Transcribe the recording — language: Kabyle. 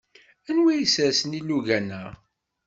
Anwa isersen ilugan-a?